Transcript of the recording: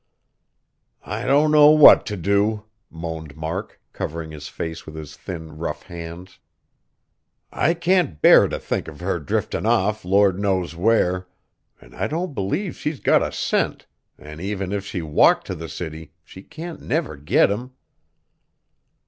"I don't know what t' do!" moaned Mark, covering his face with his thin, rough hands. "I can't bear t' think of her driftin' off, Lord knows where; an' I don't b'lieve she's got a cent, an' even if she walked t' the city, she can't never git him."